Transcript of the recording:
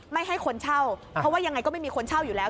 ไม่ให้คนเช่าเพราะว่ายังไงก็ไม่มีคนเช่าอยู่แล้ว